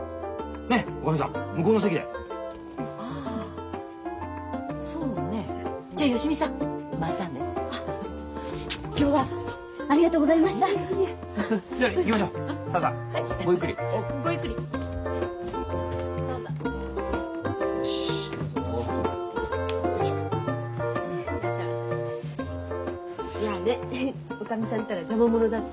嫌ねおかみさんったら邪魔者だって。